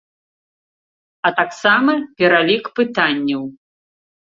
А таксама пералік пытанняў.